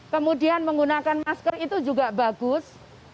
kemudian menggunakan masker itu juga bagus